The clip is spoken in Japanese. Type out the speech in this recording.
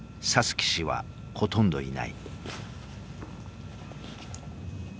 棋士はほとんどいない。